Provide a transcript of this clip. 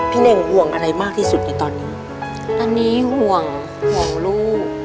เน่งห่วงอะไรมากที่สุดในตอนนี้ตอนนี้ห่วงห่วงลูก